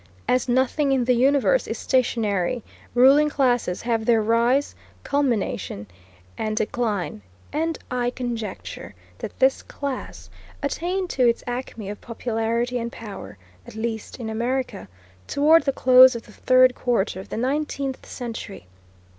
As nothing in the universe is stationary, ruling classes have their rise, culmination, and decline, and I conjecture that this class attained to its acme of popularity and power, at least in America, toward the close of the third quarter of the nineteenth century.